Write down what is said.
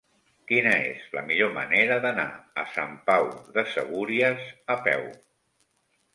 Quina és la millor manera d'anar a Sant Pau de Segúries a peu?